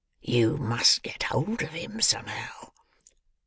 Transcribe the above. You must get hold of him somehow."